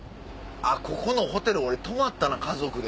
ここのホテル俺泊まったな家族で。